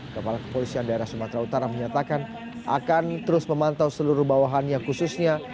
kepala kepolisian daerah sumatera utara menyatakan akan terus memantau seluruh bawahannya khususnya